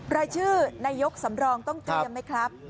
รายชื่อนายกสำรองต้องเตรียมไหมครับ